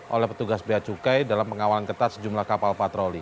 oleh petugas bea cukai dalam pengawalan ketat sejumlah kapal patroli